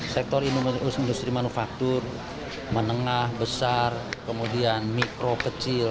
sektor industri manufaktur menengah besar kemudian mikro kecil